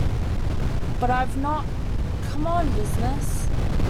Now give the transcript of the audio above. But I've not come on business.